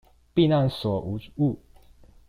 避難所無誤